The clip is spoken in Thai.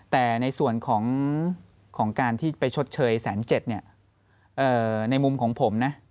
แต่ในส่วนของการที่ไปชดเชย๑๗๐๐เนี่ยในมุมของผมนะ